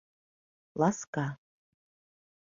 Ласка.